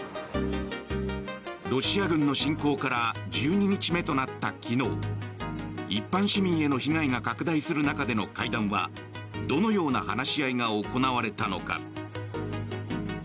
ロシア軍の侵攻から１２日目となった昨日一般市民への被害が拡大する中での会談はどのような話し合いが行われたのか。